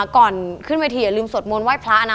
ก่อนขึ้นเวทีอย่าลืมสวดมนต์ไห้พระนะ